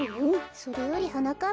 それよりはなかっ